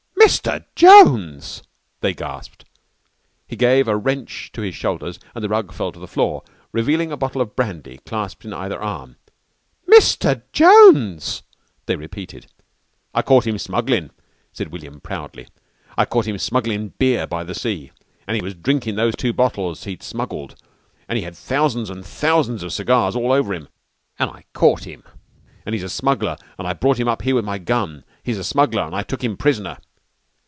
"Mr. Jones!" they gasped. He gave a wrench to his shoulders and the rug fell to the floor, revealing a bottle of brandy clasped in either arm. "Mr. Jones!" they repeated. "I caught him smugglin'" said William proudly. "I caught him smugglin' beer by the sea an' he was drinking those two bottles he'd smuggled an' he had thousands an' thousands of cigars all over him, an' I caught him, an' he's a smuggler an' I brought him up here with my gun. He's a smuggler an' I took him prisoner."